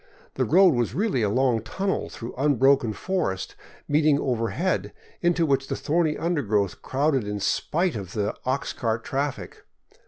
The road was really a long tunnel through unbroken forest meeting over head, into which the thorny undergrowth crowded in spite of the ox cart traffic.